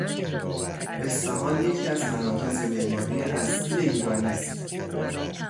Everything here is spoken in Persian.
اصفهان یکی از مراکز معماری اصیل ایرانی است.